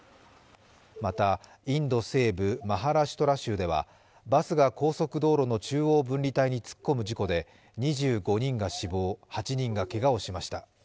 またインド西部マハラシュトラ州ではバスが高速道路の中央分離帯に突っ込む事故で２５人が死亡、８人がけがをしました。